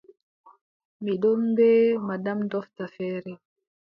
Mi ɗon bee madame dofta feere.